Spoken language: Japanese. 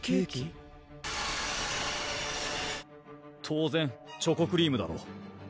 当然チョコクリームだろう？